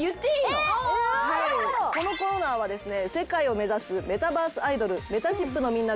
このコーナーはですね。